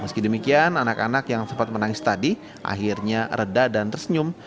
meski demikian anak anak yang sempat menangis tadi akhirnya reda dan tersenyum